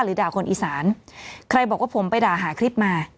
ด่าคนอีสานใครบอกว่าผมไปด่าหาคลิปมา